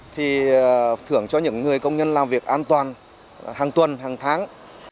thì thưởng cho những người công nhân làm việc an toàn hàng tuần hàng tháng